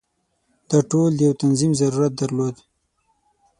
دا ټول د یو تنظیم ضرورت درلود.